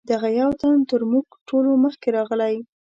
دغه یو تن تر موږ ټولو مخکې راغلی.